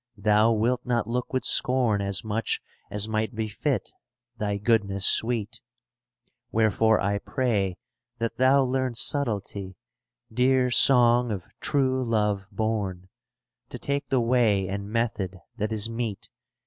Thou wilt not look with scorn As much as might befit thy goodness sweet; Wherefore I pray that thou learn subtlety, Dear song of true Love born, ^ To take the way and method that is meet.